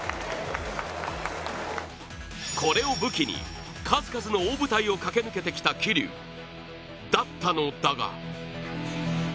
これを武器に数々の大舞台を駆け抜けてきた桐生、だったのだが。